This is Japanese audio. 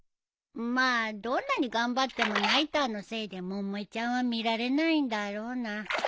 まあどんなに頑張ってもナイターのせいで百恵ちゃんは見られないんだろうな。